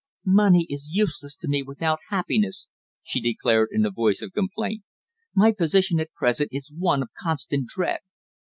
"Money is useless to me without happiness," she declared, in a voice of complaint. "My position at present is one of constant dread."